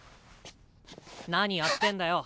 何やってんだよ。